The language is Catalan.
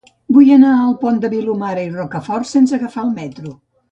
Vull anar al Pont de Vilomara i Rocafort sense agafar el metro.